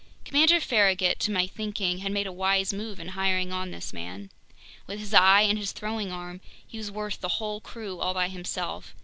Commander Farragut, to my thinking, had made a wise move in hiring on this man. With his eye and his throwing arm, he was worth the whole crew all by himself.